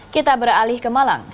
kita beralih ke malang